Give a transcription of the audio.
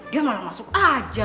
dia malah masuk aja